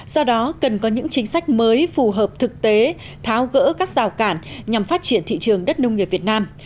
do đó cần có những chính sách mới phù hợp thực tế tháo gỡ các rào cản nhằm phát triển thị trường đất nông nghiệp việt nam